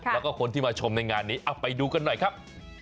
แล้วก็คนที่มาชมในงานนี้ไปดูกันหน่อยครับ